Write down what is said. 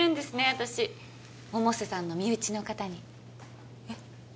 私百瀬さんの身内の方にえっ？